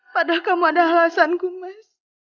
padahal kamu ada alasan gumas